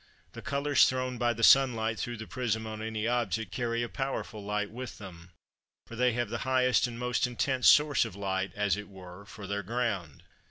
The colours thrown by the sun light through the prism on any object, carry a powerful light with them, for they have the highest and most intense source of light, as it were, for their ground.